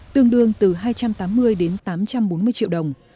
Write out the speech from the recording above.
tương đương từ hai trăm tám mươi đến tám trăm bốn mươi triệu đồng